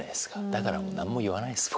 だからもうなんも言わないです